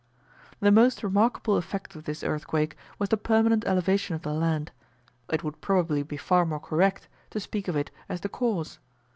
The most remarkable effect of this earthquake was the permanent elevation of the land, it would probably be far more correct to speak of it as the cause.